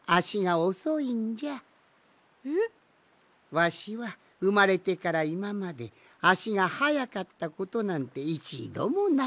わしはうまれてからいままであしがはやかったことなんていちどもなかった。